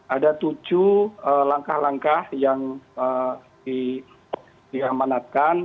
ada tujuh langkah langkah yang diamanatkan